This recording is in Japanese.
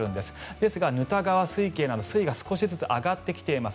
ですが、沼田川水系など水位が少しずつ上がってきています。